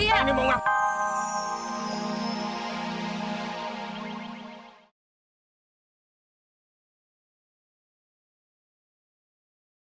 aduh tangan tangan tangan